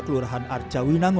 selamat pagi ya